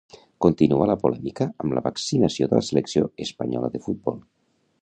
Continua la polèmica amb la vaccinació de la selecció espanyola de futbol.